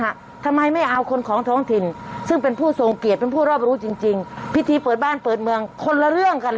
ฮะทำไมไม่เอาคนของท้องถิ่นซึ่งเป็นผู้ทรงเกียรติเป็นผู้ร่อบรู้จริงพิธีเปิดบ้านเปิดเมือง